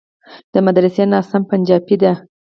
د مدرسې ناظم پنجابى دى.